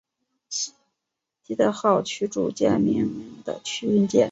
基德号驱逐舰命名的军舰。